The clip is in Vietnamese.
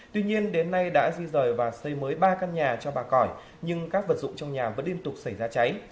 tuy nhiên đến nay đã di rời và xây mới ba căn nhà cho bà cọi nhưng các vật dụng trong nhà vẫn liên tục xảy ra cháy